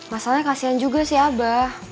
masalahnya kasian juga sih abah